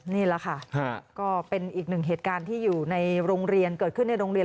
นี่แหละค่ะก็เป็นอีกหนึ่งเหตุการณ์ที่อยู่ในโรงเรียนเกิดขึ้นในโรงเรียน